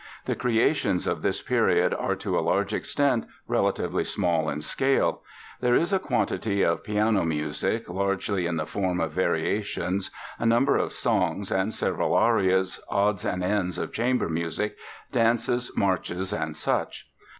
The creations of this period are to a large extent relatively small in scale. There is a quantity of piano music largely in the form of variations, a number of songs and several arias, odds and ends of chamber music, dances, marches, and such.